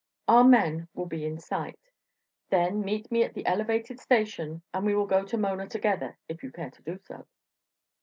Our men will be in sight. Then meet me at the elevated station, and we will go to Mona together, if you care to do so."